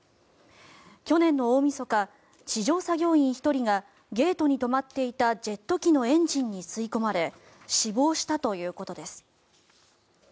去年の大みそか地上作業員１人がゲートに止まっていたジェット機のエンジンに吸い込まれ死亡したということです。